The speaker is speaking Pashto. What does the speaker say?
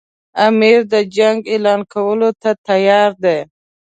امیر د جنګ اعلان کولو ته تیار دی.